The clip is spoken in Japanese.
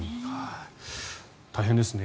大変ですね。